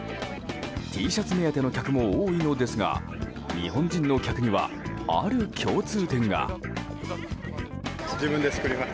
Ｔシャツ目当ての客も多いのですが日本人の客にはある共通点が。